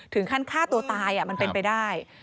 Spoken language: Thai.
ถึงขั้นฆ่าตัวตายมันเป็นไปได้